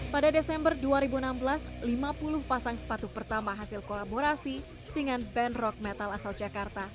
pada desember dua ribu enam belas lima puluh pasang sepatu pertama hasil kolaborasi dengan band rock metal asal jakarta